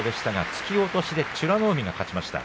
突き落としで美ノ海が勝ちました。